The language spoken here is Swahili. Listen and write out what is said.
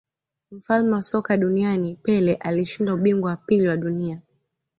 mfalme wa soka duniani Pele alishinda ubingwa wa pili wa dunia